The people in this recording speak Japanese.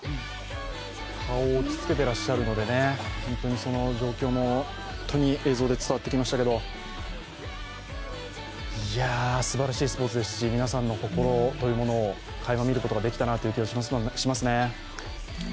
顔を打ちつけてらっしゃるので、本当にその状況も映像で伝わってきましたけどいや、すばらしいスポーツですし皆さんの心というものをかいま見ることができた気がしますね。